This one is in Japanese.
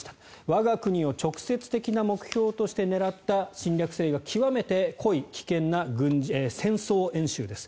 我が国を直接的な目標として狙った侵略性が極めて濃い危険な戦争演習です。